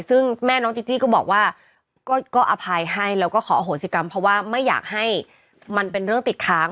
ซึ่งแม่น้องจีจี้ก็บอกว่าก็อภัยให้แล้วก็ขออโหสิกรรมเพราะว่าไม่อยากให้มันเป็นเรื่องติดค้าง